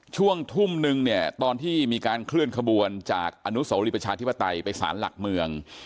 ช่วงทุ่มนึงเนี่ยตอนที่มีการเคลื่อนขบวนจากอนุสวรีประชาธิปไตยไปสารหลักเมือง